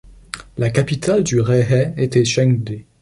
La capitale du Rehe était Chengde.